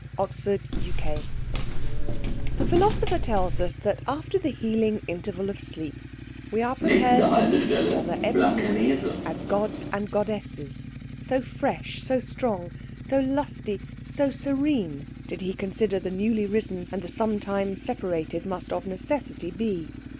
CHAPTER XVIII The philosopher tells us that, after the healing interval of sleep, we are prepared to meet each other every morning as gods and goddesses; so fresh, so strong, so lusty, so serene, did he consider the newly risen and the some time separated must of necessity be.